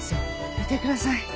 見てください。